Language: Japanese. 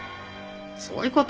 そういう事！